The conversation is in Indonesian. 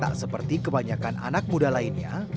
tak seperti kebanyakan anak muda lainnya